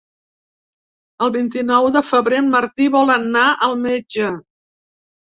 El vint-i-nou de febrer en Martí vol anar al metge.